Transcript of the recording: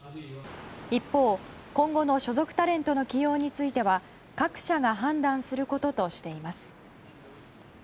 一方、今後の所属タレントの起用については各社が判断することとしています。